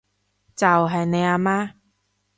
就係你阿媽